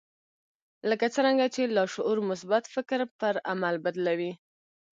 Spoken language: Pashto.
لکه څرنګه چې لاشعور مثبت فکر پر عمل بدلوي.